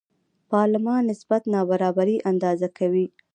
پالما نسبت نابرابري اندازه کوي.